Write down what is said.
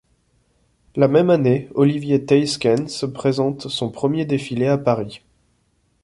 La même année, Olivier Theyskens présente son premier défilé à Paris.